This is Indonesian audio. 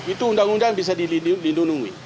itu undang undang bisa dilindungi